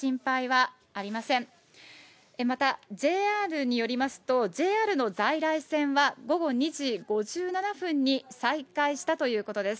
また、ＪＲによりますと、ＪＲの在来線は午後２時５７分に再開したということです。